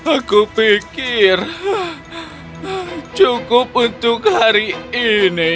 aku pikir cukup untuk hari ini